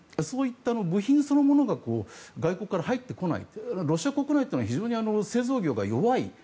そういった部品そのものが外国から入ってこないロシア国内は非常に製造業が弱い。